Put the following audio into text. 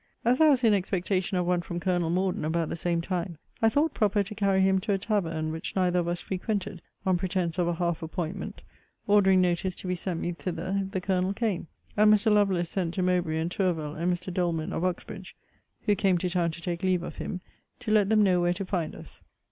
As I was in expectation of one from Colonel Morden about the same time, I thought proper to carry him to a tavern which neither of us frequented, (on pretence of a half appointment;) ordering notice to be sent me thither, if the Colonel came; and Mr. Lovelace sent to Mowbray, and Tourville, and Mr. Doleman of Uxbridge, (who came to town to take leave of him,) to let them know where to find us.